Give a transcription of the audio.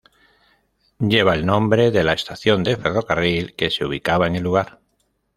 Lleva el nombre de la estación de ferrocarril que se ubicaba en el lugar.